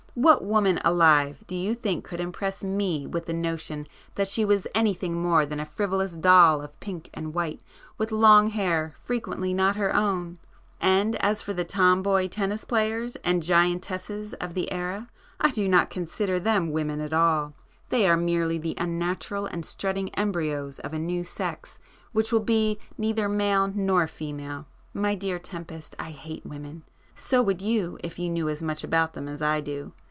What woman alive do you think could impress me with the notion that she was anything more than a frivolous doll of pink and white, with long hair frequently not her own? And as for the tom boy tennis players and giantesses of the era, I do not consider them women at all,—they are merely the unnatural and strutting embryos of a new sex which will be neither male nor female. My dear Tempest, I hate women. So would you if you knew as much about them as I do.